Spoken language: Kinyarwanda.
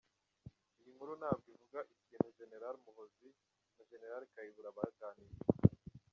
Iyi nkuru ntabwo ivuga ikintu Gen Muhoozi na Gen. Kayihura baganiriye.